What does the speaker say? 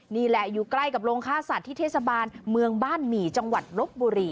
นี่แหละอยู่ใกล้กับโรงฆ่าสัตว์ที่เทศบาลเมืองบ้านหมี่จังหวัดลบบุรี